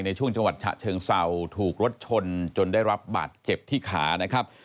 ในช่วงจังหวัดฉะเชิงเศร้าถูกรถชนจนได้รับบาดเจ็บที่ขานะครับ